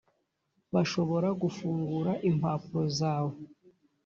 Bashobora gufungura impapuro zawe